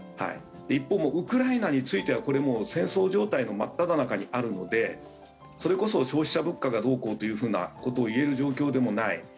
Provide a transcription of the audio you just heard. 一方、ウクライナについてはこれはもう戦争状態の真っただ中にあるのでそれこそ消費者物価がどうこうというふうなことを言える状況でもない。